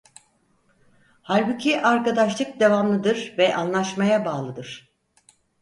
Halbuki arkadaşlık devamlıdır ve anlaşmaya bağlıdır.